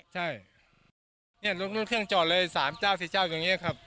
ใช่เนี่ยรถเครื่องจอดเลยสามเจ้าสี่เจ้าตรงนี้ครับ